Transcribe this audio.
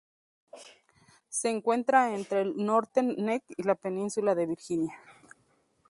Se encuentra entre el Northern Neck y la península de Virginia.